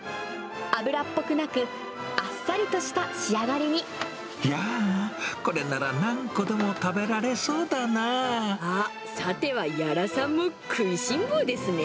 油っぽくなく、あっさりとした仕いやー、これなら何個でも食あっ、さては屋良さんも食いしん坊ですね？